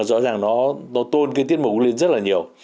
rõ ràng nó tôn cái tiết mục lên rất là nhiều